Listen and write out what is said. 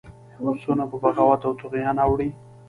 هوسونه په بغاوت او طغیان اوړي.